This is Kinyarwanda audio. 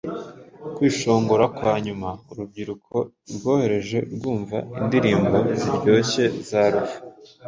kwishongora kwanyuma Urubyiruko rworoheje rwumva indirimbo ziryoshe za Luva.